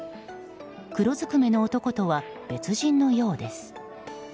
黒ずくめの男とは別人のようです。